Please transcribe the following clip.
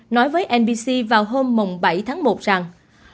nói với nbc vào hôm bảy tháng một rằng